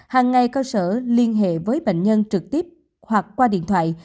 hàng ngày cơ sở liên hệ với bệnh nhân trực tiếp hoặc qua điện thoại